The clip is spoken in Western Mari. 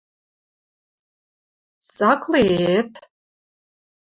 Цакле-э-эт?